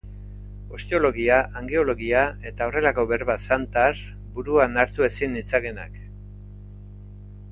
Osteologia, angeologia eta horrelako berba zantar, buruan hartu ezin nitzakeenak.